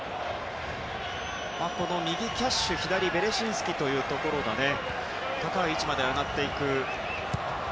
右、キャッシュ左、ベレシンスキが高い位置まで上がっていく